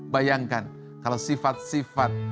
bayangkan kalau sifat sifat